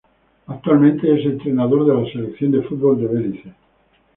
Actualmente es entrenador de la Selección de fútbol de Belice.